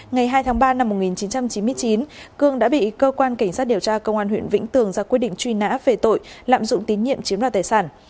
ngày hai tháng ba năm một nghìn chín trăm chín mươi chín cương đã bị cơ quan cảnh sát điều tra công an huyện vĩnh tường ra quyết định truy nã về tội lạm dụng tín nhiệm chiếm đoạt tài sản